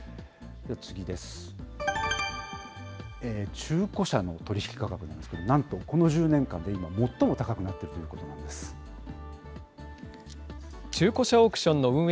中古車の取り引き価格なんですけれども、なんとこの１０年間で今、最も高くなっているということな中古車オークションの運営